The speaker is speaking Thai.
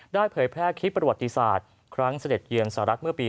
เผยแพร่คลิปประวัติศาสตร์ครั้งเสด็จเยือนสหรัฐเมื่อปี๒๕